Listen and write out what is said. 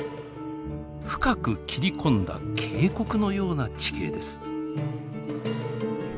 深く切り込んだ渓谷のような地形です。